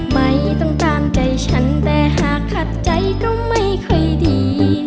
ไม่ต้องตามใจฉันแต่หากขัดใจก็ไม่ค่อยดี